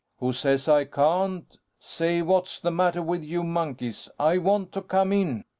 "Who says I can't. Say, what's the matter with you monkeys? I want to come in."